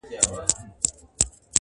شیطان په زور نیولی!